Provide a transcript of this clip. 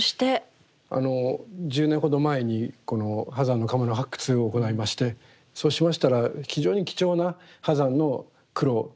あの１０年ほど前にこの波山の窯の発掘を行いましてそうしましたら非常に貴重な波山の苦労